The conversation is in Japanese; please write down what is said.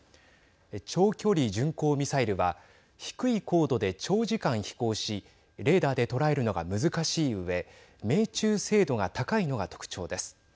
長距離巡航ミサイルは低い高度で長時間飛行しレーダーで捉えるのが難しいうえ命中精度が高いのが特徴です。